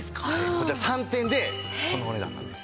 こちら３点でこのお値段なんです。